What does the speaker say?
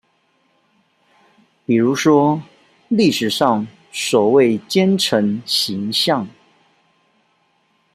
比如說歷史上所謂奸臣形象